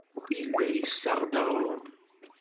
Yella yessaɣ-d aɣrum.